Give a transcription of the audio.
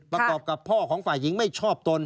ประกอบกับพ่อของฝ่ายหญิงไม่ชอบตน